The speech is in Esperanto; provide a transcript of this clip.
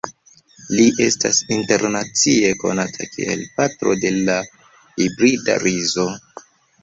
Li estas internacie konata kiel "patro de la hibrida rizo".